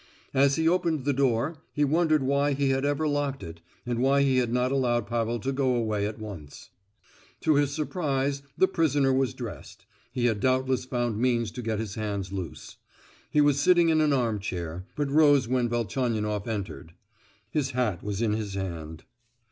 As he opened the door he wondered why he had ever locked it, and why he had not allowed Pavel to go away at once. To his surprise the prisoner was dressed, he had doubtless found means to get his hands loose. He was sitting in an arm chair, but rose when Velchaninoff entered. His hat was in his hand.